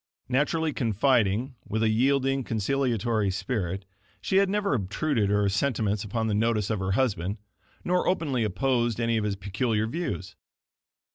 Naturally confiding, with a yielding, conciliatory spirit, she had never obtruded her sentiments upon the notice of her husband, nor openly opposed any of his peculiar views.